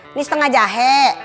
ini setengah jahe